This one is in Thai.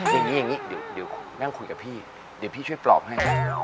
อย่างนี้อย่างนี้เดี๋ยวนั่งคุยกับพี่เดี๋ยวพี่ช่วยปลอบให้